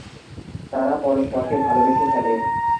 তারা পরস্পরকে ভালোবেসে ফেলে।